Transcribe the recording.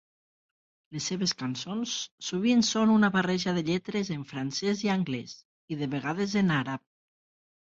Les seves cançons sovint són una barreja de lletres en francès i anglès, i de vegades en àrab.